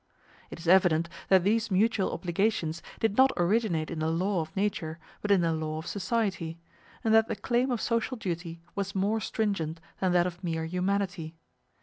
It is evident that these mutual obligations did not originate in the law of nature, but in the law of society; and that the claim of social duty was more stringent than that of mere humanity.